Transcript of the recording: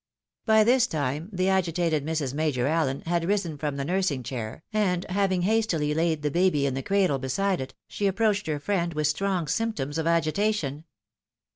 " By this time the agitated Mrs. Major Allen had risen from the nursing chair, and having hastily laid the baby in the cradle 6 THE WIDOW MARRIED. beside it, she approached her friend with strong symptoms of agitation.